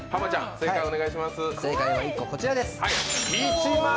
正解は１個、こちらです。